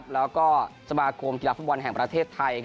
แล้วก็สมาคมกีฬาฟุตบอลแห่งประเทศไทย